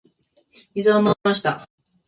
水を飲みました。